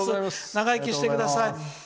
長生きしてください。